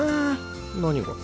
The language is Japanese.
何が？